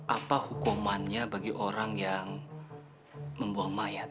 apa hukumannya bagi orang yang membuang mayat